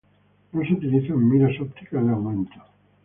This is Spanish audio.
No se utilizan miras ópticas de aumento.